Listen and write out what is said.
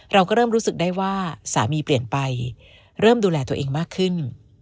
เราก็เริ่มรู้สึกได้ว่าสามีเปลี่ยนไปเริ่มดูแลตัวเองมากขึ้น